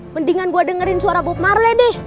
mendingan gue dengerin suara bob marley deh